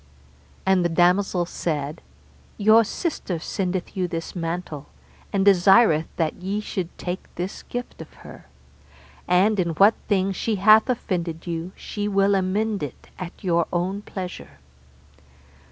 And the damosel said, Your sister sendeth you this mantle, and desireth that ye should take this gift of her; and in what thing she hath offended you, she will amend it at your own pleasure.